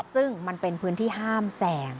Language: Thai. ซึ่งมันเป็นพื้นที่ห้ามแสง